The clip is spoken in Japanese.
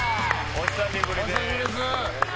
お久しぶりです。